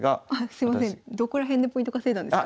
すいませんどこら辺でポイント稼いだんですか？